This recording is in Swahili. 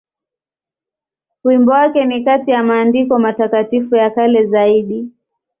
Wimbo wake ni kati ya maandiko matakatifu ya kale zaidi.